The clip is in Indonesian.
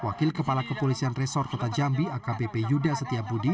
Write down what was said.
wakil kepala kepolisian resor kota jambi akbp yuda setiabudi